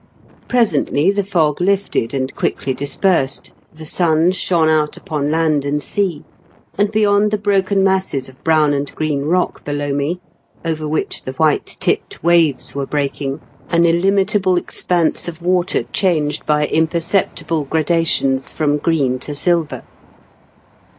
Presently the fog lifted and quickly dispersed, the sun shone out upon land and sea, and, beyond the broken masses of brown and green rock below me, over which the white tipped waves were breaking, 296 IN KENT WITH GHABLE8 DIGKEN8. an illimitable expanse of water changed by imperceptible gradations from green to silver.